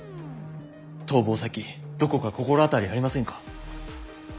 逃亡先どこか心当たりありませんか？